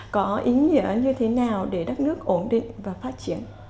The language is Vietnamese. có ý nghĩa như thế nào để đất nước ổn định và phát triển